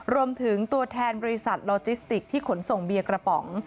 รวมถึงตัวแทนบริษัทโลจิสติกที่ขนส่งเบียร์กระป๋อง